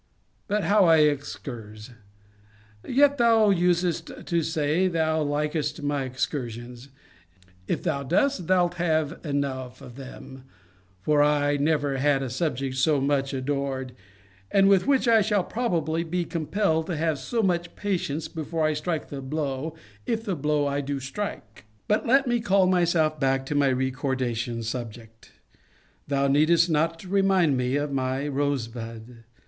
But how I excurse! Yet thou usedst to say, thou likedst my excursions. If thou dost, thou'lt have enow of them: for I never had a subject I so much adored; and with which I shall probably be compelled to have so much patience before I strike the blow; if the blow I do strike. But let me call myself back to my recordation subject Thou needest not remind me of my Rosebud.